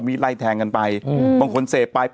มีสารตั้งต้นเนี่ยคือยาเคเนี่ยใช่ไหมคะ